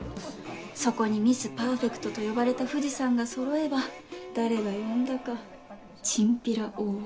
そこにミス・パーフェクトと呼ばれた藤さんがそろえば誰が呼んだかチンピラ大奥。